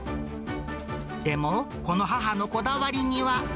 でも、この母のこだわりには。